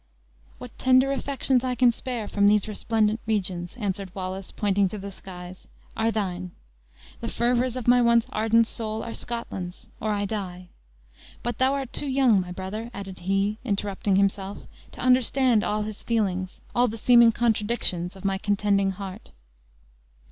"What tender affections I can spare from those resplendent regions," answered Wallace, pointing to the skies, "are thine. The fervors of my once ardent soul are Scotland's, or I die. But thou art too young, my brother," added he, interrupting himself, "to understand all his feelings, all the seeming contradictions, of my contending heart."